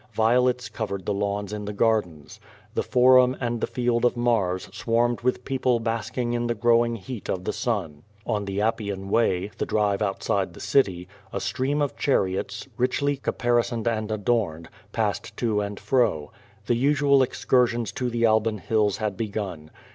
Violets cov ered the lawns in the gardens. The Forum and the Field of Mars swarmed with people basking in the growing heat of the sun. On the Appian AVaj', the drive outside the city, a stream of chariots, richly caparisoned and adorned, passed to and fro. The usual excursions to the Alban Hills had begun.